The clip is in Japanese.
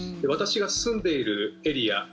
私が住んでいるエリア